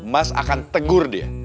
mas akan tegur dia